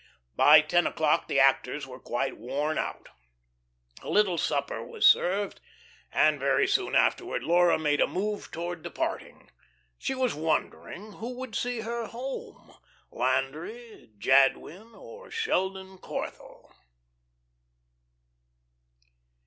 By ten o'clock the actors were quite worn out. A little supper was served, and very soon afterward Laura made a move toward departing. She was wondering who would see her home, Landry, Jadwin, or Sheldon Corthell.